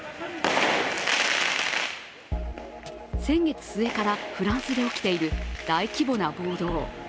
先月末からフランスで起きている大規模な暴動。